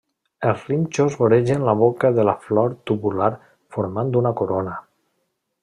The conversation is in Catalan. Els rínxols voregen la boca de la flor tubular formant una corona.